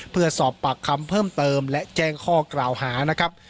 เพื่อสอบปากคำเพิ่มเติมและแจ้งข้อกล่าวหานะครับ